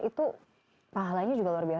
itu pahalanya juga luar biasa